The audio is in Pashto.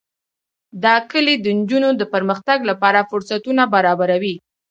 دا کلي د نجونو د پرمختګ لپاره فرصتونه برابروي.